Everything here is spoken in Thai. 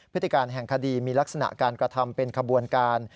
พฤติการแห่งคดีมีลักษณะการกระทำเป็นขบวนการ